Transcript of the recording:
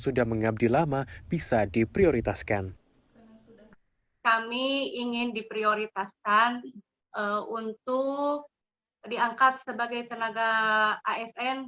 sudah mengabdi lama bisa diprioritaskan kami ingin diprioritaskan untuk diangkat sebagai tenaga asn